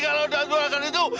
kalau udah suarakan itu